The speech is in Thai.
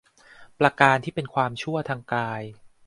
ประการที่เป็นความชั่วทางกาย